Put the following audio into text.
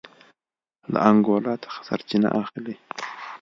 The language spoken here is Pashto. له انګولا څخه سرچینه اخلي.